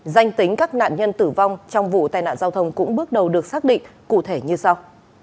danh tính các nạn nhân tử vong trong vụ tai nạn giao thông cũng bước đầu được xác định cụ thể như sau